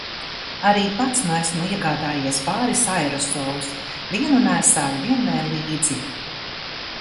Arī pats nu esmu iegādājies pāris aerosolus, vienu nēsāju vienmēr līdzi.